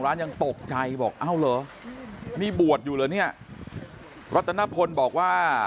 ร้านยังตกใจบอกอ้าวเหรอนี่บวชอยู่เหรอเนี่ยรัตนพลบอกว่า